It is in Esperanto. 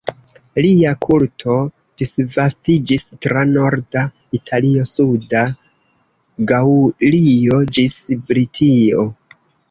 Lia kulto disvastiĝis tra norda Italio, suda Gaŭlio ĝis Britio.